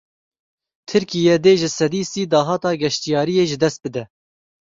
Tirkiye dê ji sedî sî dahata geştyariyê ji dest bide.